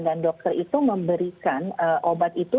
dan dokter itu memberikan obat itu